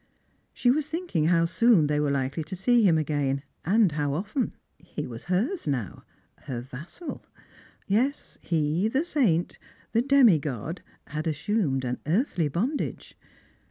She was tiiinking how soon they were likely to see him again, and how often. He was hers now ; her vassal. Yes, he, the saint, the demigod, had assumed an earthly bondage.